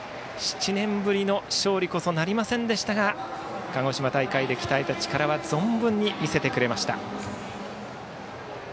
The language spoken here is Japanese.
７年ぶりの勝利こそなりませんでしたが鹿児島大会で鍛えた力は存分に見せてくれました。